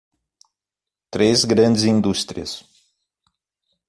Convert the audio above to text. Três grandes indústrias